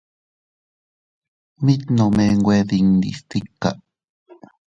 Mit nome nwe dindi stika.